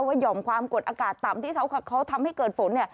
หย่อมความกดอากาศต่ำที่เขาทำให้เกิดฝนเนี่ย